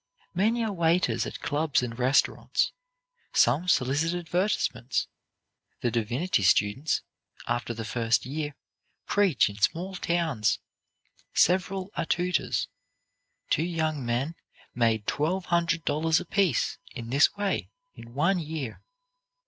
Many are waiters at clubs and restaurants. Some solicit advertisements. The divinity students, after the first year, preach in small towns. Several are tutors. Two young men made twelve hundred dollars apiece, in this way, in one year.